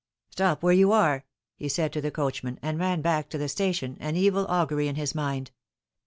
" Stop where you are," he said to the coachman, and ran back to the station, an evil augury in his mind.